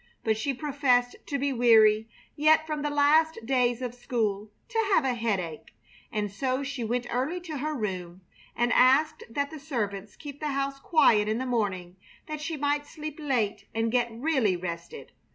But she professed to be weary yet from the last days of school to have a headache and so she went early to her room and asked that the servants keep the house quiet in the morning, that she might sleep late and get really rested.